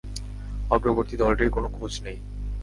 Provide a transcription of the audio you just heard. অগ্রবর্তী দলটির কোন খোঁজ নেই।